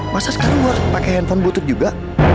masa sekarang gue pake handphone butut juga